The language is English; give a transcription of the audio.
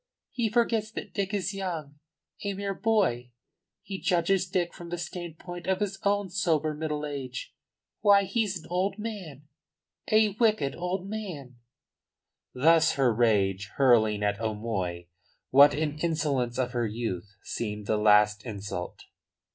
He forgets that Dick is young a mere boy. He judges Dick from the standpoint of his own sober middle age. Why, he's an old man a wicked old man!" Thus her rage, hurling at O'Moy what in the insolence of her youth seemed the last insult.